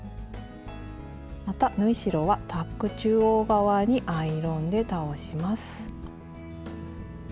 また縫い代はタック中央側にアイロンで倒します。